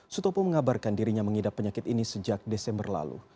sutopo mengabarkan dirinya mengidap penyakit ini sejak desember lalu